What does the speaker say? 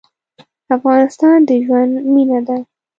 افغانستان د ژوند مېنه ده.